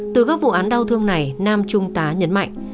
từ các vụ án đau thương này nam trung tá nhấn mạnh